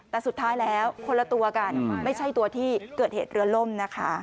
แต่สุดท้ายแล้วคนละตัวกันไม่ใช่ตัวที่เกิดเหตุเรือล่มนะคะ